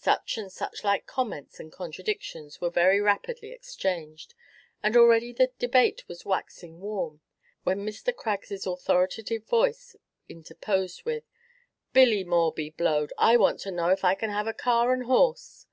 Such and such like comments and contradictions were very rapidly exchanged, and already the debate was waxing warm, when Mr. Craggs's authoritative voice interposed with "Billy Moore be blowed! I want to know if I can have a car and horse?"